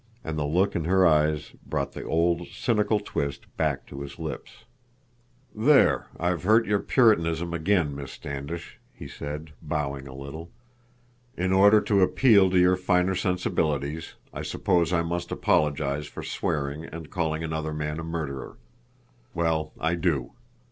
And the look in her eyes brought the old, cynical twist back to his lips. "There, I've hurt your puritanism again, Miss Standish," he said, bowing a little. "In order to appeal to your finer sensibilities I suppose I must apologize for swearing and calling another man a murderer. Well, I do.